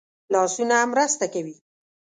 لاسونه مرسته کوي